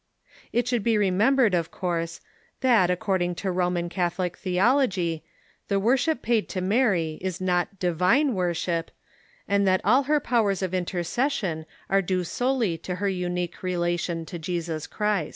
It should be remembered, of course, that, according to Ro man Catholic theology, the worship paid to Mary is not divine worship, and that all her powers of intercession are due solely to her unique relation to Jesus Christ.